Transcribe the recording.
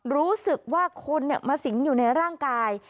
รู้สึกว่าคนมาสิงอยู่ในร่างกาย